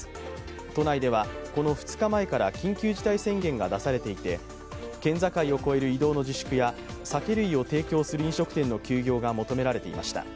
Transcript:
都内ではこの２日前から緊急事態宣言が出されていて県境を越える移動の自粛や酒類を提供する飲食店の休業が求められていました。